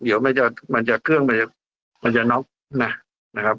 เดี๋ยวมันจะมันจะเครื่องมันจะมันจะน็อกนะนะครับ